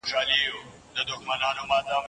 چوپ پاتې کېدل مرسته کوي.